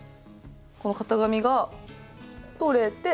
この型紙が取れて。